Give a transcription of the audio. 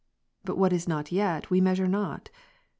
But what is not yet, we measure not.